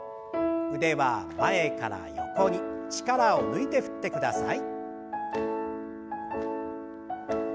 腕は前から横に力を抜いて振ってください。